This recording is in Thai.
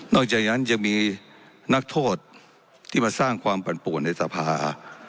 จากนั้นยังมีนักโทษที่มาสร้างความปั่นป่วนในสภา